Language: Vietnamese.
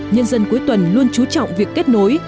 nhân dân cuối tuần luôn trú trọng việc kết nối